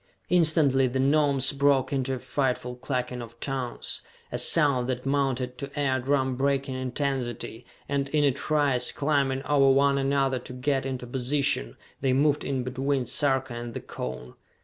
Instantly the Gnomes broke into a frightful clucking of tongues, a sound that mounted to ear drum breaking intensity, and in a trice, climbing over one another to get into position, they moved in between Sarka and the cone.